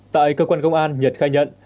tại cơ quan công an nhật khai nhận